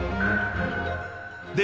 で